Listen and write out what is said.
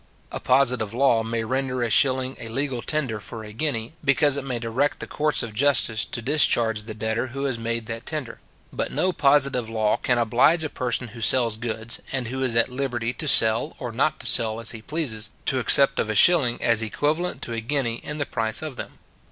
A positive law may render a shilling a legal tender for a guinea, because it may direct the courts of justice to discharge the debtor who has made that tender; but no positive law can oblige a person who sells goods, and who is at liberty to sell or not to sell as he pleases, to accept of a shilling as equivalent to a guinea in the price of them.